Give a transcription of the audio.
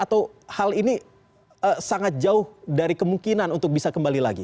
atau hal ini sangat jauh dari kemungkinan untuk bisa kembali lagi